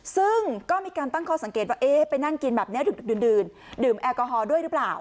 ซึ่งก็มีการตั้งข้อสังเกตว่าไปนั่งกินแบบนี้ดื่นดื่มแอลกอฮอล์ด้วยหรือเปล่า